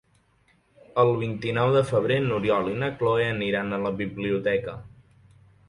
El vint-i-nou de febrer n'Oriol i na Cloè aniran a la biblioteca.